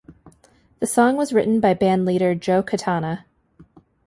The song was written by band leader John Katana.